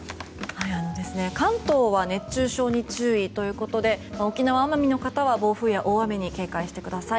関東は熱中症に注意ということで沖縄、奄美の方は暴風や大雨に警戒してください。